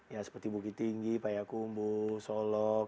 ya seperti bukit tinggi payakumbu solok